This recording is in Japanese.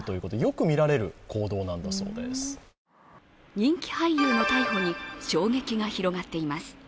人気俳優の逮捕に衝撃が広がっています。